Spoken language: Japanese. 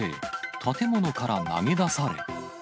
建物から投げ出され。